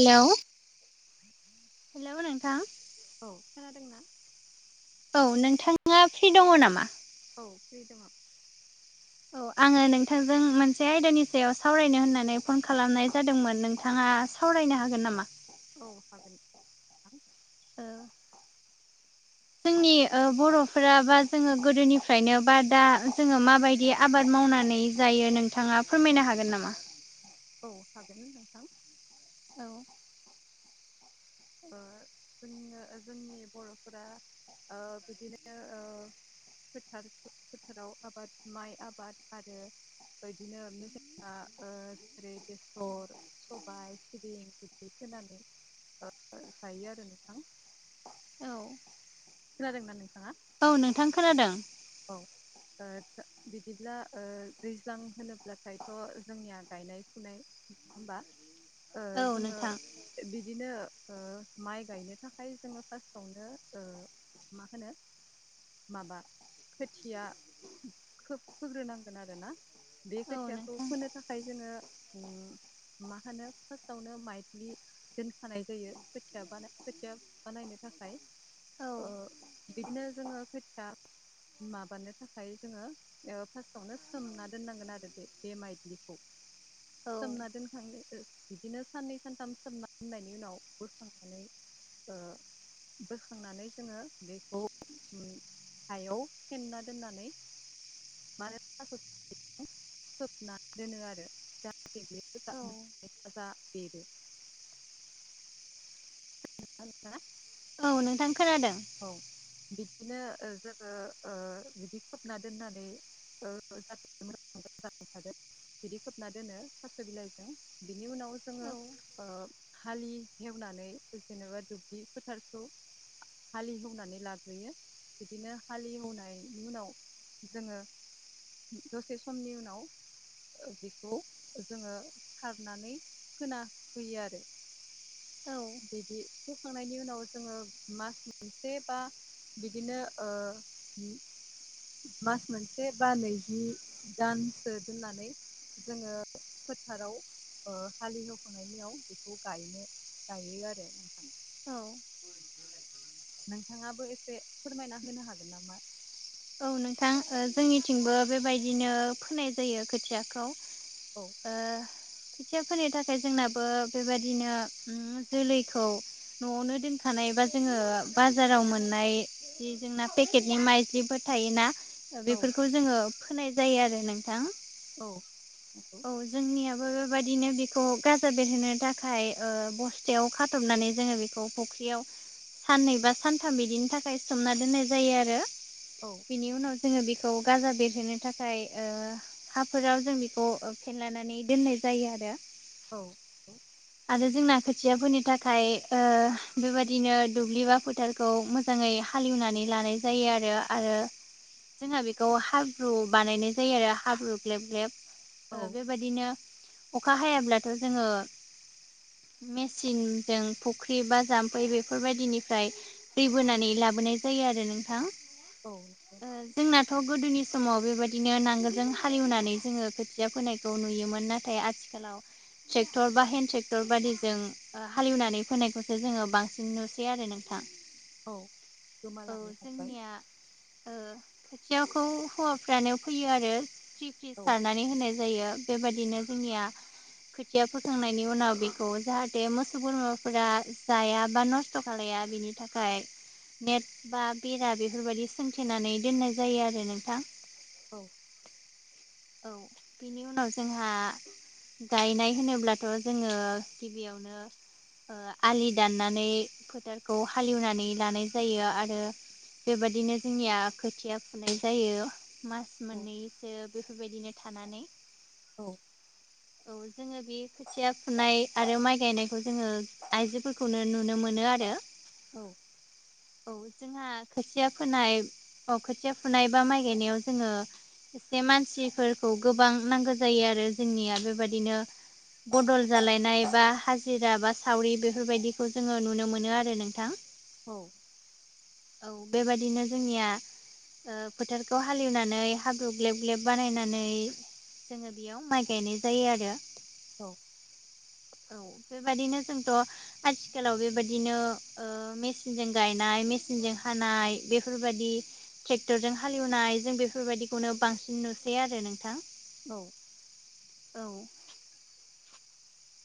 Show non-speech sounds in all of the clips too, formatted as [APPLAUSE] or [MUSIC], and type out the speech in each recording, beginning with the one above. हेल' [INAUDIBLE] हेल' नोंथां औ खोनादों ना औ नोंथाङा फ्रि दङ नामा? औ फ्रि दं आं। औ आङो नोंथांजों मोनसे आयदानि सायाव सावरायनो होननानै फन खालामनाय जादोंमोन नोंथाङा। सावरायनो हागोन नामा? औ हागोन। नोंथां औ जोंनि ओ बर' फोरा बा जोङो गोदोनिफ्रायनो बा दा जोङो माबायदि आबाद मावनानै जायो नोंथाङा। फोरमायनो हागोन नामा? औ हागोन नोंथां। औ ओ जो जोंनि बर'फोरा ओ बिदिनो ओ फोथार फोथाराव आबाद माइ आबाद आरो बिदिनो नि जोंना जेरै बेसर सबाय सिबिं बिदि होनानै जायो आरो नोंथां औ खोनादों ना नोंथाङा औ नोंथां खोनादों औ। बिदिब्ला दैज्लां होनोब्लाथायथ' जोंनिया गायनाय-फुनाय होमबा ओ औ जोङो नोंथां बिदिनो माइ गायनो थाखाय जोङो फार्स्टआवनो ओ मा होनो माबा खोथिया फोग्रोनांगोन आरो ना बे औ खोथियाखौ नोंथां फोनो थाखाय जोङो मा होनो फार्स्टआवनो माइलि दोनखानाय जायो खोथिया बानाय खोथिया बानायनो थाखाय। औ बिदिनो जोङो खोथिया माबानो थाखाय जोङो ओ फार्स्टावनो सोमना दोननांगोन आरो बे बे माइलिखौ औ समना दोनखां बिदिनो साननै सानथाम साननायनि उनाव बोखांनानै ओ बोखांनानै जोङो बेखौ हायाव फेना दोननानै मा होनो‌ थास बिलाइजों खोबना दोनो आरो जाहाथे बे औ मोजां जा बेरो हेला [UNINTELLIGIBLE] औ नोंथां खोनादों औ बिदिनो ओ जोङो ओ बिदि खोबना दोननानै जाथे मोजां मोजां जाबाय थागोन बिदि खोबना दोनो थास' बिलाइजों बिनि उनाव जोङो ओ हालि एवनानै जेनेबा दुब्लि फोथारखौ हालि एवनानै लाग्रोयो बिदिनो हालि एवनायनि उनाव जोङो दसे समनि उनाव बेखौ जोङो सारनानै होना होयो आरो औ बिदि फोखांनायनि उनाव जोङो मास मोनसे बा बिदिनो ओ मास मोनसे बा नैजि दानसो दोननानै जोङो फोथाराव ओ हालि एवखांनायनि उनाव बेखौ गायनो गायो आरो औ नोंथाङाबो एसे फोरमायना होनो हागोन नामा? औ नोंथां जोंनिथिंबो बेबायदिनो फोनाय जायो खोथियाखौ औ ओ खोथिया फोनो थाखाय जोंनाबो बेबायदिनो ओ जोलैखौ न'आवनो दोनखानाय बा जोङो बाजाराव मोननाय जि जोंना पेकेटनि माइज्लि थायोना औ बेफोरखौ जोङो फोनाय जायो आरो नोंथां औ औ जोंनियाबो बेबायदिनो बेखौ गाजा बेरहोनो थाखाय ओ बस्थायाव खाथबनानै जोङो बेखौ फुख्रियाव साननै बा सानथाम बिदिनि थाखाय सोमना दोननाय जायो आरो औ बेनि उनाव जोङो बेखौ गाजा बेरहोनो थाखाय ओ हाफोराव जों बे खौ फेनलानानै दोननाय जायो आरो। औ औ आरो जोंना खोथियाफोरनि थाखाय ओ बेबाददिनो दुब्लि बा फोथार खौ मोजाङै हाल एवनानै लानाय जायो आरो आरो जोंहा बेखौ हाब्रु बानायनाय जायो आरो हाब्रु ग्लेब ग्लेब। औ बेबायाददिनो अखा हायाब्लाथ' जोङो मेसिनजों फुख्रि बा जामफै बेफोरबायदिनिफ्राय दै बोनानै लाबोनाय जायो आरो नोंथां। औ दे जोंनाथ' गोदोनि समाव बेबायदिनो नांगोलजों हाल एवनानै जोङो खोथिया फैनायखौ नुयोमोन नाथाय आथिखालाव ट्रेक्टर बा हेन्द ट्रेक्टर बादिजों हाल एवनानै फोनायखौसो जोङो बांसिन नुसै आरो नोंथां। औ औ गोमालांनो हमबाय। जोंनिया खोथियाखौ हौवाफ्रानो फैयो आरो फ्रि फ्रि औ सारनानै होनाय जायो बेबायदिनो जोंनिया खोथिया फोखांनायनि उनाव बेखौ जाहाथे मोसौ बोरमाफोरा जाया बा न खसथ' खालाया बिनि थाखाय नेट बा बेरा बेफोरबायदि सोंथेनानै दोननाय जायो आरो नोंथां। औ औ बिनि उनाव जोंहा गायनाय होनोब्लाथ' जोङो गिबियावनो ओ आलि दाननानै फोथारखौ हाल एवनानै लानाय जायो आरो बेबायदिनो जोंनिया खोथिया फुनाय जायो। मास औ मोननैसो बेफोरबायदिनो थानानै औ औ जोङो बे खोथिया फुनाय आरो माइ गायनायखौ जोङो आइजोफोरखौनो नुनो मोनो आरो। औ औ जोंहा खोथिया फोनाय खोथिया फुनाय बा माइ गायनायाव जोङो एसे मानसिफोरखौ गोबां नांगौ जायो आरो जोंनिया बेबादिनो। बदल जालायनाय बा हाजिरा बा सावरि बेफोरबायदिखौ जोङो नुनो मोनो आरो नोंथां। औ औ बेबायादिनो जोंनिया ओ फोथारखौ हाल एवनानै हाब्रु ग्लेब ग्लेब बानायनानै जोङो बेयाव माइ गायनाय जायो आरो। औ औ बेबायदिनो जोंथ' आथिखालाव बेबायाददिनो ओ मेचिनजों गायनाय मेचिनजों हानाय बेफोरबायादि ट्रेक्टरजों हालेवनाय जों बेफोरबायाददिखौनो बांसिन नुसै आरो नोंथां। औ औ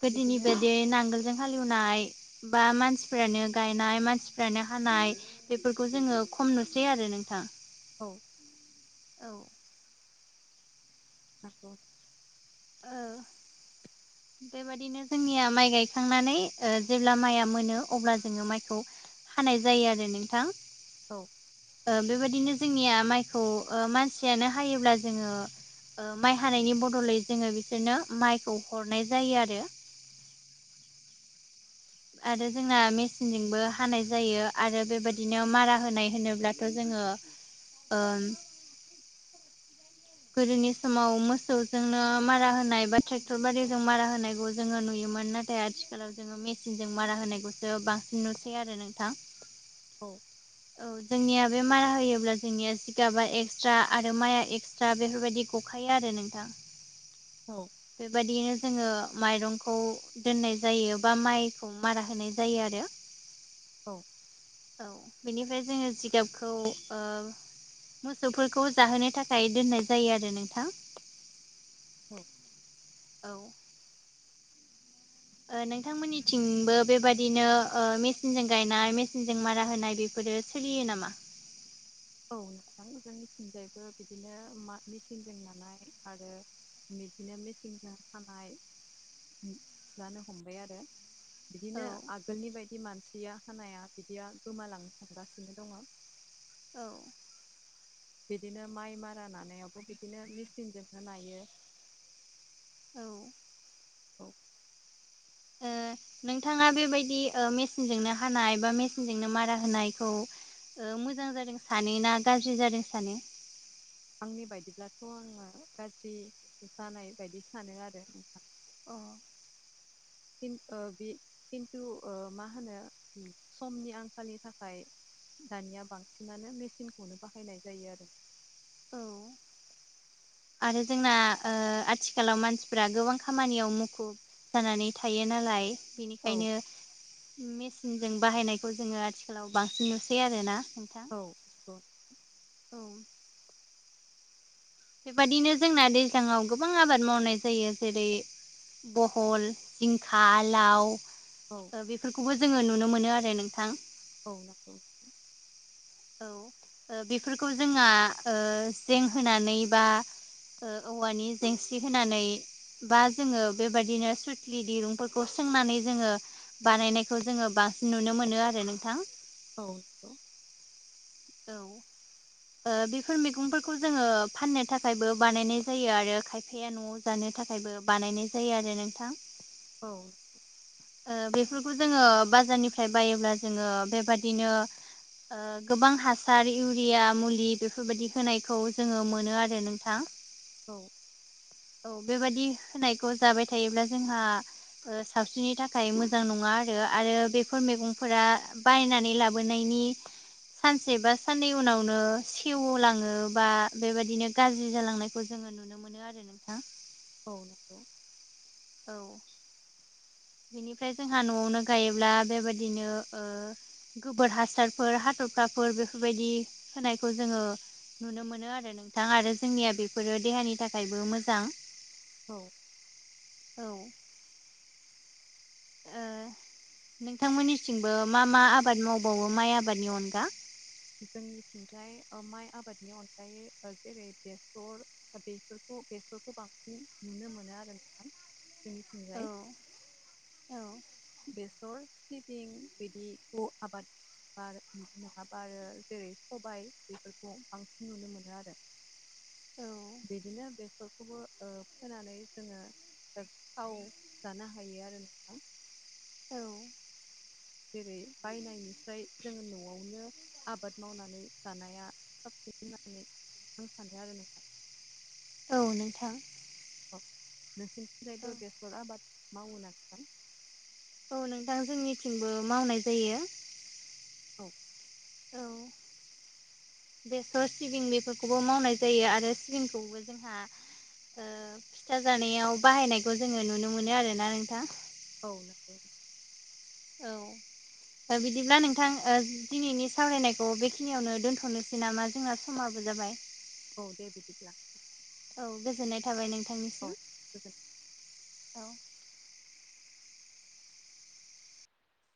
गोदोनि बिदिनो बायदि नांगोलजों हालेवनाय बा मानसिफ्रानो गायनाय मानसिफ्रानो हानाय बेफोरखौ जोङो खम नुसै आरो नोंथां। औ औ नंगौ ओ बेबायदिनो जोंनिया माइ गायखांनानै जेब्ला माइआ मोनो अब्ला जोङो माइखौ हानाय जायो आरो नोंथां औ बेबायदिनो जोंनिया माइखौ मानसियानो हायोब्ला जोङो माइ हानायनि बदलै जोङो बिसोरनो माइखौ हरनाय जायो आरो आरो जोंना मेचिनजोंबो हानाय जायो आरो बेबायदिनो मारा होनाय होनोब्ला थ' जोङो ओ गोदोनि समाव मोसौजोंनो मारा होनाय बा ट्रेक्टर बादिजों मारा होनायखौ जोङो नुयोमोन नाथाय नाथाय आथिखालाव जोङो मेचिनजों मारा होनायखौसो बांसिन नुसै आरो नोंथां औ औ जोंनिया बे मारा होयोब्ला जोंनिया जिगाबा एक्सट्रा आरो माइआ एक्सट्रा बेफोरबायदि गखायो आरो नोंथां [UNINTELLIGIBLE] औ बेबायदियैनो जोङो माइरंखौ दोननाय जायो बा माइखौ मारा होनाय जायो आरो औ औ बेनिफ्राय जोङो जिगाबखौ मोसौफोरखौ जाहोनो थाखाय दोननाय जायो आरो नोंथां औ औ नोंथांमोननिथिंबो बेबायदिनो दिनो मेसिनजों गायनाय मेसिनजों मारा होनाय बे फोरो सोलियो नामा औ नोंथां जोंनिथिंजायबो बिदिनो मेचिनजों नानाय आरो बिदिनो मेसें खानाय जानो हमबाय आरो [UNINTELLIGIBLE] औ बिदिनो आगोलनि बायदि मानसिया हानाया बिदिया गोमालांनो हगासिनो दङ [UNINTELLIGIBLE] औ बिदिनो माइ मारा नानायावबो बिदिनो मेचिनजोंनो नायो औ औ ओ नोंथाङा बेबायदि मेसिनजोंनो हानाय बा मेसिनजोंनो मारा होनायखौ मोजां जादों सानो ना गाज्रि जादों सानो आंनि बायदिब्लाथ' आङो गाज्रि जानाय बायदि सानो आरो नोंथां अ बे खिन्थु मा होनो समनि आंखालनि थाखाय दानिया बांसिनानो मेचिनखौनो बाहायनाय जायो आरो औ आरो जोंना आथिखालाव मानसिफ्रा गोबां खामानियाव मुखुब जानानै थायो नालाय औ बेनिखायनो मेसिनजों बाहायनायखौ जोङो आथिखालाव बांसिन नुसै आरो ना नोंथां औ औ बेबादिनो जोंना दैज्लाङाव गोबां आबाद मावनाय जायो जेरै बहल जिंखा लाव औ बेफोरखौबो जोङो नुनो मोनो आरो नोंथां औ नंगौ औ बेफोरखौ जोंहा जें होनानै बा औवानि जेंसि होनानै बा जोङो बेबायदिनो सुथलि दिरुंफोरखौ सोंनानै जोङो बानायनायखौ जोङो बांसिन नुनो मोनो आरो नोंथां [UNINTELLIGIBLE] औ। बेफोर मैगंफोरखौ जोङो फाननो थाखायबो बानायनाय जायो आरो खायफाया न'आव जानो थाखायबो बानायनाय जायो आरो नोंथां। औ। बेफोरखौ जोङो बाजारनिफ्राय बायोब्ला जोङो बेबादिनो गोबां हासार इउरिया मुलि बेफोरबायदि होनायखौ जोङो मोनो आरो नोंथां। [INAUDIBLE] औ। औ बेबादि होनायखौ जाबाय थायोब्ला जोंहा सावस्रिनि था खाय मोजां नङा आरो आरो बेफोर मैगंफोरा बायनानै लाबोनायनि सानसे बा साननै उनावनो सेवलाङो बा बे बादिनो गाज्रि जालांङो खौ जोङो नुनो मोनो आरो नोंथां। औ नोंगौ। औ। बिनिफ्राय जोंहा न'आवनो गायोब्ला बेबादिनो गोबोर हासारफोर हाथफ्लाफोर बेफोर बादि होनायखौ जोङो नुनो मोनो आरो नोंथां आरो जोंनिया बेफोरो देहानि थाखायबो मोजां। औ। ओ नोंथांमोननिथिंबो मा मा आबाद मावबावो माइ आबादनि अनगा जोंनिथिंजाय माइ आबादनि अनगायै जेरै बेसर दा बेफोरखौ बेसरफोरखौ बांसिन नुनो मोनो आरो नोंथां। जोंनिथिंजाय औ। बेसर सिबिं बादिखौ आबाद बार आरो बार जेरै सबाय बेफोरखौ बांसिन नुनो मोनो आरो औ। बिदिनो बेसरखौबो फोनानै जोङो। गोथाव जानो हायो आरो नोंथां। औ। जेरै-बायनायनिफ्राय जोंङो न'आवनो आबाद मावनानै जानाया साबसिन होननानै आं सानसे आरो नोंथां। औ नोंथां। औ नोंसिनिथिंजायबो औ बेसर आबाद मावो ना नोंथां। औ नोंथां जोंनिथिंबो मावनाय जायो। औ। औ। बेसर सिबिं बेफोरखौबो मावनाय जायो आरो सिबिंखौबो जोंहान फिथा जानायाव बाहायनायखौ जोङो नुनो मोनो आरो ना नोंथां। औ औ। बिदिब्ला नोंथां दिनैनि सावरायनायखौ बेखिनियावनो दोनथ'नोसै नामा जोंना समाबो जाबाय। औ दे बिदिब्ला। औ गोजोननाय थाबाय औ नोंथांनिसिम गोजोन औ।